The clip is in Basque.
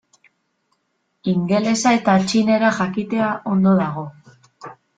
Ingelesa eta txinera jakitea ondo dago.